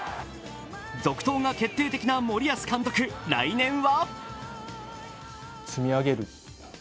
続投が決定的な森保監督、来年は？